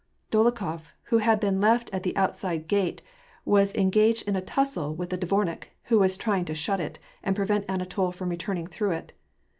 Dolokhofy who had been left at the outside gate, was en gaged in a tussle with the dvomik, who was trying to shut it, and prevent Anatol from returning through it.